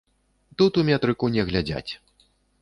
Тут у метрыку не глядзяць.